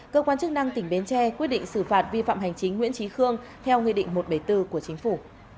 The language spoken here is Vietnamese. cơ quan chức năng tỉnh bến tre quyết định xử phạt vi phạm hành chính nguyễn trí khương theo nghị định một trăm bảy mươi bốn của chính phủ